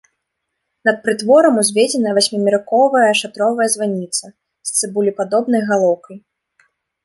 Над прытворам узведзена васьмерыковая шатровая званіца з цыбулепадобнай галоўкай.